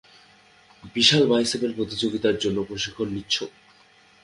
বিশাল বাইসেপের প্রতিযোগীতার জন্য প্রশিক্ষণ নিচ্ছো?